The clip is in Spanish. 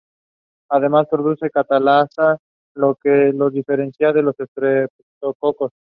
Además, producen catalasa, lo que los diferencia de los estreptococos.